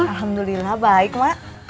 alhamdulillah baik mak